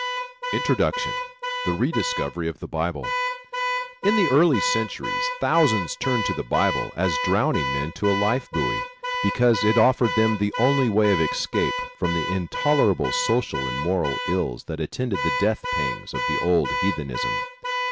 INTRODUCTION THE REDISCOVERY OF THE BIBLE In the early Christian centuries thousands turned to the Bible, as drowning men to a life buoy, because it offered them the only way of escape from the intolerable social and moral ills that attended the death pangs of the old heathenism.